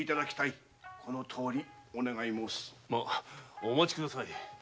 お待ちください